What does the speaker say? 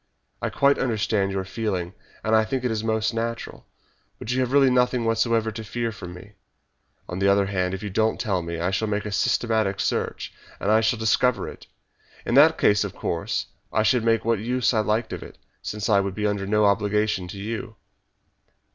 I quite understand your feeling and I think it is most natural, but you have really nothing whatever to fear from me. On the other hand, if you don't tell me I shall make a systematic search, and I shall most certainly discover it. In that case, of course, I should make what use I liked of it, since I should be under no obligation to you."